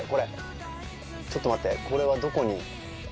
ちょっと待ってこれはどこに。